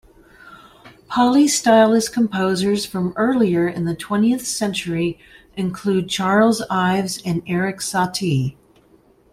Polystylist composers from earlier in the twentieth century include Charles Ives and Eric Satie.